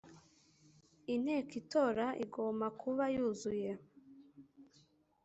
inteko itora igoma kuba yuzuye